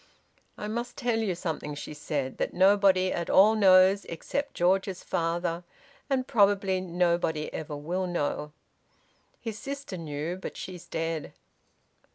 "I must tell you something," she said, "that nobody at all knows except George's father, and probably nobody ever will know. His sister knew, but she's dead."